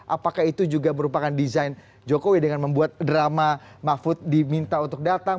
apakah itu juga merupakan desain jokowi dengan membuat drama mahfud diminta untuk datang